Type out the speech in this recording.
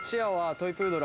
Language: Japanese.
トイプードル。